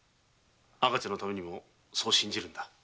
赤ちゃんのためにもそう信じるんだ。